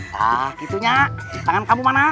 nah gitu nya tangan kamu mana